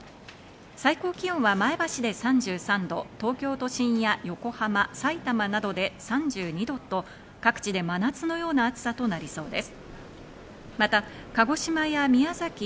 最高気温は前橋で３３度、東京都心や横浜、さいたまなどで３２度と、各地で真夏のような暑さとなりそうです。